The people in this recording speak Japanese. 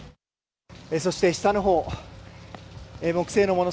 そして下のほう、木製のもの、